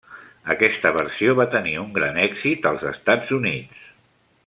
Aquesta versió va tenir un gran èxit als Estats Units.